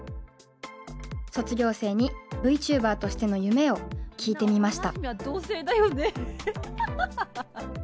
卒業生にＶＴｕｂｅｒとしての夢を聞いてみました。